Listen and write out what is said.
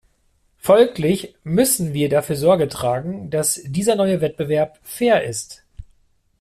Folglich müssen wir dafür Sorge tragen, dass dieser neue Wettbewerb fair ist.